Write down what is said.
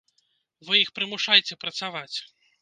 Вы іх прымушайце працаваць.